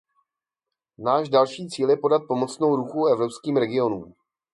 Náš další cíl je podat pomocnou ruku evropským regionům.